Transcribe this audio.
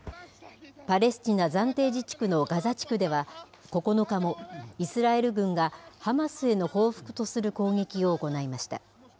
パレスチナ暫定自治区のガザ地区では、９日も、イスラエル軍がハマスへの報復とする攻撃を行いました。